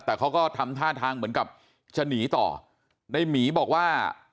แต่เขาก็ทำท่าทางเหมือนกับจะหนีต่อในหมีบอกว่า